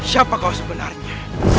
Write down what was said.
siapa kau sebenarnya